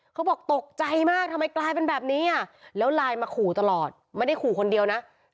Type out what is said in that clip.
เขาบอกตกใจมากทำไมกลายเป็นแบบนี้อ่ะแล้วไลน์มาขู่ตลอดไม่ได้ขู่คนเดียวนะ